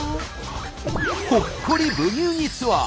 ほっこり「ブギウギ」ツアー。